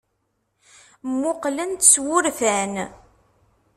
Mmuqqlen-t s wurfan.